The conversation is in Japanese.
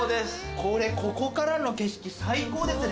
これここからの景色最高ですね。